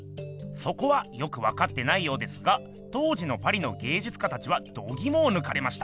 そこはよくわかってないようですが当時のパリの芸術家たちはどぎもをぬかれました。